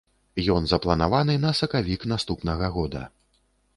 Ён запланаваны на сакавік наступнага года.